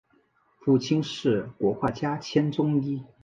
父亲是国画家兼中医。